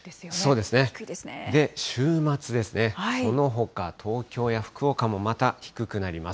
で、週末ですね、そのほか東京や福岡もまた低くなります。